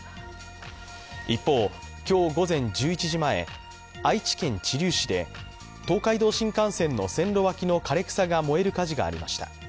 一方、今日午前１１時前愛知県知立市で東海道新幹線の線路脇の枯れ草が燃える火事がありました。